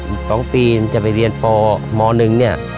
อีก๒ปีจะไปเรียนปม๑เนี่ย